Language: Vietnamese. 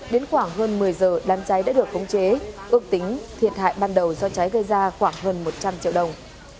đến khoảng hơn một mươi giờ đám cháy đã được khống chế ước tính thiệt hại ban đầu do cháy gây ra khoảng hơn một trăm linh triệu đồng